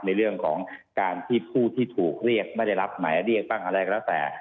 ในเรื่องของการที่ผู้ที่ถูกเรียกไม่ได้รับหมายเรียกบ้างอะไรก็แล้วแต่